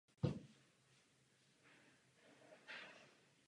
Jeden z domů v historické části města je přestavěn na Dům Hanse Christiana Andersena.